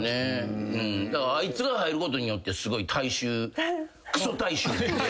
だからあいつが入ることによってすごい大衆。